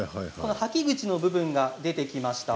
はき口の部分が出てきました。